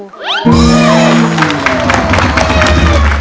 โอ้โห